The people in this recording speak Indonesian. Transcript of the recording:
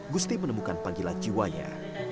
gusti menemukan panggilan jiwanya